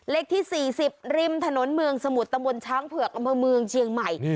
เลขที่๔๐ริมถนนเมืองสมุทรตำบลช้างเผือกอำเภอเมืองเชียงใหม่